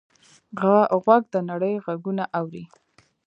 غوږ د نړۍ غږونه اوري.